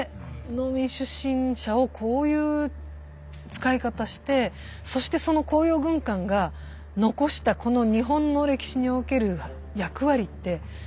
農民出身者をこういう使い方してそしてその「甲陽軍鑑」が残したこの日本の歴史における役割ってものすごいじゃないですか！